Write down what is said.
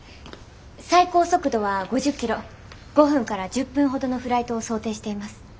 最高速度は５０キロ５分から１０分ほどのフライトを想定しています。